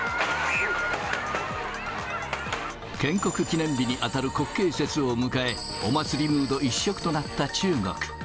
建国記念日に当たる国慶節を迎え、お祭りムード一色となった中国。